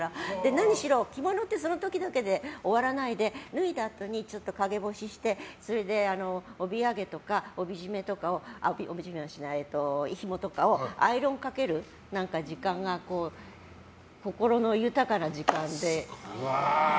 何しろ着物って、その時々で終わらないで脱いだあとに陰干しして帯揚げとかひもとかにアイロンかける時間が心の豊かな時間で。